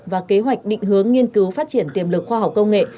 và kế hoạch định hướng nghiên cứu phát triển tiềm lực khoa học công nghệ